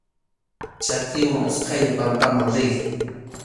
Chakiwan utqaylla pampan riy.